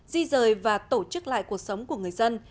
di rời và tổ chức lại cuộc sống của người dân